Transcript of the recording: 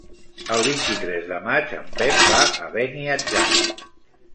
El vint-i-tres de maig en Pep va a Beniatjar.